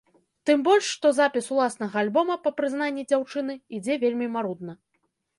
Тым больш, што запіс уласнага альбома, па прызнанні дзяўчыны, ідзе вельмі марудна.